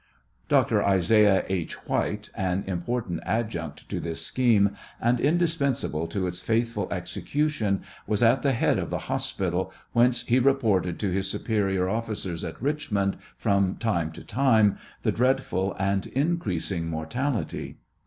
Dr. Isaiah H. White, an important adjunct to this scheme, and indispensable, to its faithful execution, was at the head of the hospital, whence he reported to his superior officers at Richmond, from time to time, the dreadful and increasing' mortality.